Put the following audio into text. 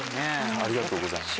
ありがとうございます。